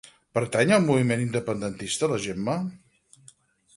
Pertany al moviment independentista la Gemma?